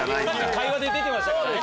会話で出てましたからね